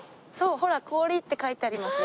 ほら「氷」って書いてありますよ。